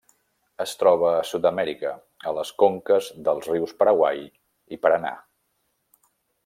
Es troba a Sud-amèrica, a les conques dels rius Paraguai i Paranà.